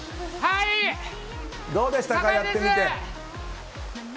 どうでしたか、やってみて。